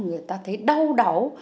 người ta thấy đau đau